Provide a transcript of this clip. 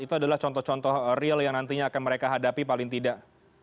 itu adalah contoh contoh real yang nantinya akan mereka hadapi paling tidak